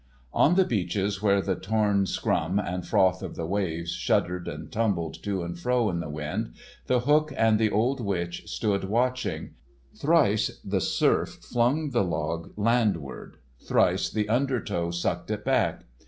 On the beaches, where the torn scum and froth of the waves shuddered and tumbled to and fro in the wind, The Hook and the old witch stood watching. Thrice the surf flung the log landward, thrice the undertow sucked it back.